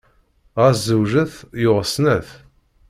Ɣas zewǧet, yuɣ snat.